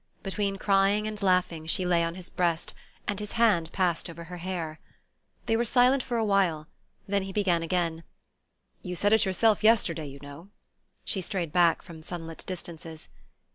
Between crying and laughing she lay on his breast, and his hand passed over her hair. They were silent for a while; then he began again: "You said it yourself yesterday, you know." She strayed back from sunlit distances.